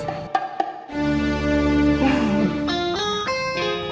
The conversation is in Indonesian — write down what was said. gitu dong kalau percaya jadi makin manis